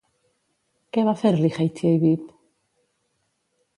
Què va fer-li Heitsieibib?